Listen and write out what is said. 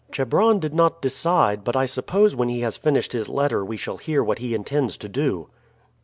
Chebron did not decide, but I suppose when he has finished his letter we shall hear what he intends to do."